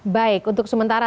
baik untuk sementara